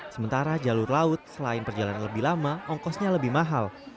sementara jalur laut selain perjalanan lebih lama ongkosnya lebih mahal